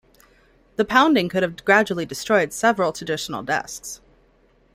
The pounding could have gradually destroyed several traditional desks.